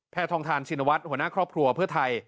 แพทองธรรมชินวชหัวหน้าครอบครัวเพื่อไทย